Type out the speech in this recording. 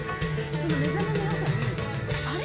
その目覚めのよさにあれ？